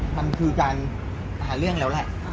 มันคือการหาเรื่องแล้วแหละ